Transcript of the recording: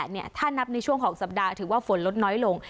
ถ้านับในช่วงของสัปดาห์ถือว่าฝนลดน้อยลง